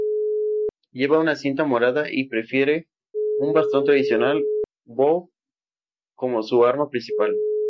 Lleva una cinta morada y prefiere un bastón tradicional Bō como su arma principal.